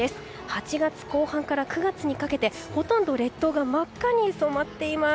８月後半から９月にかけてほとんど列島が真っ赤に染まっています。